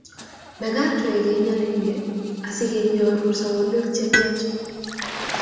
Mekat wei kenyalilie asikenyoeu sobonwek che miach?